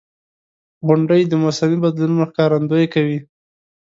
• غونډۍ د موسمي بدلونونو ښکارندویي کوي.